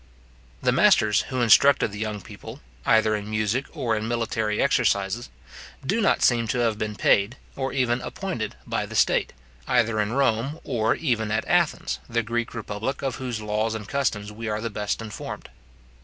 The masters who instructed the young people, either in music or in military exercises, do not seem to have been paid, or even appointed by the state, either in Rome or even at Athens, the Greek republic of whose laws and customs we are the best informed.